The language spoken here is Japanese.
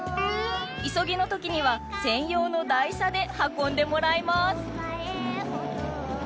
急ぎの時には専用の台車で運んでもらいます